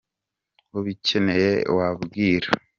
Ubicyeneye wabwira.